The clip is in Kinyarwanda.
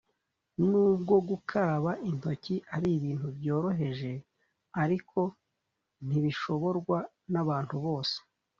Nubwo gukaraba intoki ari ibintu byoroheje ariko ntibishoborwa nabantu bose